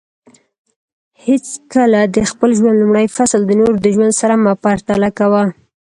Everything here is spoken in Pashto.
حیڅکله د خپل ژوند لومړی فصل د نورو د ژوند سره مه پرتله کوه